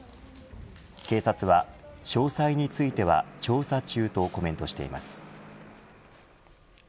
警察は詳細については調査中とコメントしています。